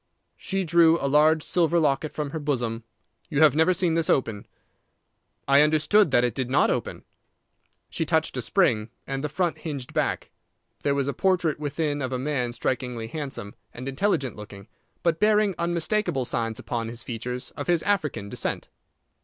She drew a large silver locket from her bosom. "You have never seen this open." "I understood that it did not open." She touched a spring, and the front hinged back. There was a portrait within of a man strikingly handsome and intelligent looking, but bearing unmistakable signs upon his features of his African descent.